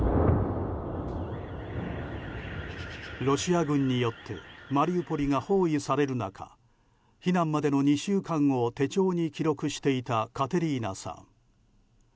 ロシア軍によってマリウポリが包囲される中避難までの２週間を手帳に記録していたカテリーナさん。